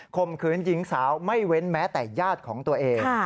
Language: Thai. ข่มขืนหญิงสาวไม่เว้นแม้แต่ญาติของตัวเอง